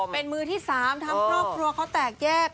เป็นมือที่๓ทำครอบครัวเขาแตกแยก